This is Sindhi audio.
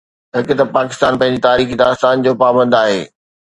هڪ ته پاڪستان پنهنجي تاريخي داستان جو پابند آهي.